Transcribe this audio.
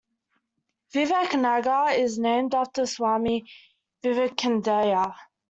Vivek Nagar is named after Swami Vivekananda.